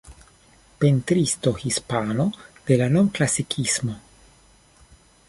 Pentristo hispano de la Novklasikismo.